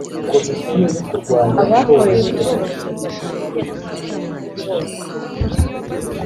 abakorewe ihohoterwa rishingiye ku gitsina mu gihugu hose